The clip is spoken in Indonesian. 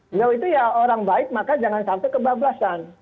beliau itu ya orang baik maka jangan sampai kebablasan